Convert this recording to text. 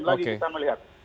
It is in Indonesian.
lagi kita melihat